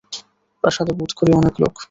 প্রাসাদে বোধ করি অনেক লোক।